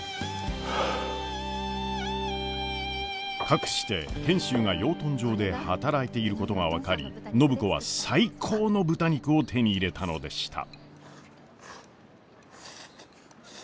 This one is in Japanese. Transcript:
かくして賢秀が養豚場で働いていることが分かり暢子は最高の豚肉を手に入れたのでした。